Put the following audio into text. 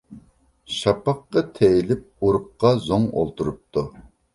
شاپاققا تېيىلىپ، ئۇرۇققا زوڭ ئولتۇرۇپتۇ.